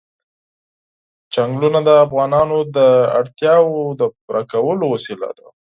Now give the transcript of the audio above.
چنګلونه د افغانانو د اړتیاوو د پوره کولو وسیله ده.